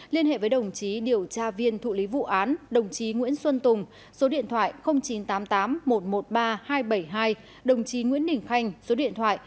liên hệ với đồng chí điều tra viên thụ lý vụ án đồng chí nguyễn xuân tùng số điện thoại chín trăm tám mươi tám một trăm một mươi ba hai trăm bảy mươi hai đồng chí nguyễn đình khanh số điện thoại chín trăm ba mươi một năm trăm tám mươi hai hai trăm sáu mươi hai